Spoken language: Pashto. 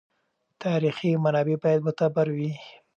تاریخي منابع باید معتبر وي.